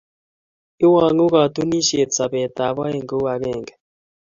iwang'u katunisiet Sabet ab aeng Kou agenge